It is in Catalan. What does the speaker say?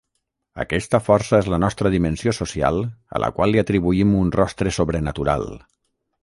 Aquesta força és la nostra dimensió social a la qual li atribuïm un rostre sobrenatural.